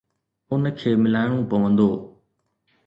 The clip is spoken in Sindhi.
ان کي ملائڻو پوندو.